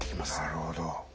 なるほど。